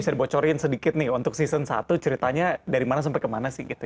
jadi kita ceritain sedikit nih untuk season satu ceritanya dari mana sampai kemana sih gitu